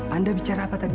anda bicara apa tadi